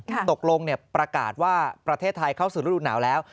ตกลงประกาศว่าประเทศไทยเข้าสู่ฤดูหนาวแล้ว